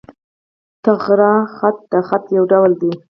طغرا خط، د خط یو ډول دﺉ.